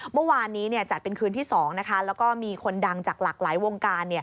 เมื่อวานนี้จัดเป็นคืนที่๒แล้วก็มีคนดังจากหลากหลายวงการ